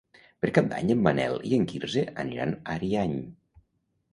Per Cap d'Any en Manel i en Quirze aniran a Ariany.